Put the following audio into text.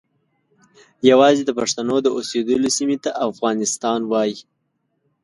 یوازې د پښتنو د اوسیدلو سیمې ته افغانستان وایي.